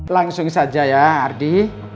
langsung saja ya ardi